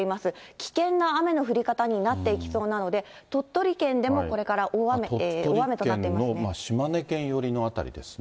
危険な雨の降り方になっていきそうなので、鳥取県でもこれから大雨となっていますね。